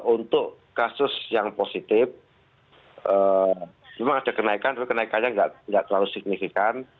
untuk kasus yang positif memang ada kenaikan tapi kenaikannya tidak terlalu signifikan